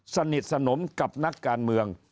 สนิทสนมกับนักการเมือง